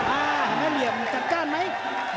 อ้าหันเหลี่ยมจากร้านไหม